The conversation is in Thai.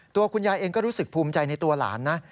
ตัวคุณยายเองก็รู้สึกภูมิใจในตัวหลานนะ